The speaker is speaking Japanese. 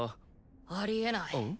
ありえない。